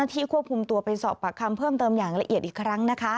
ควบคุมตัวไปสอบปากคำเพิ่มเติมอย่างละเอียดอีกครั้ง